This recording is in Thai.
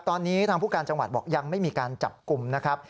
ตอนนี้ทางผู้การจังหวัดบอกยังไม่มีการจับกลุ่มนะครับ